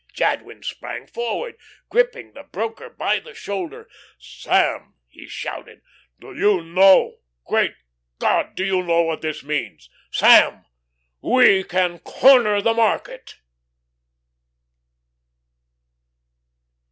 Jadwin sprang forward, gripping the broker by the shoulder. "Sam," he shouted, "do you know great God! do you know what this means? Sam, we can corner the market!"